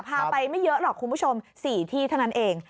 พาไปไม่เยอะหรอกคุณผู้ชม๔ที่เท่านั้นเอง